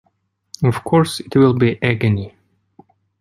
Of course, it will be agony.